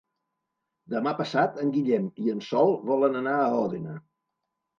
Demà passat en Guillem i en Sol volen anar a Òdena.